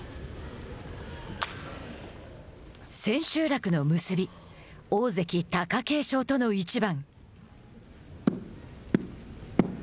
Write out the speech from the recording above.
千秋楽の結び大関・貴景勝との一番。